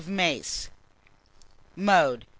of mace. Mode.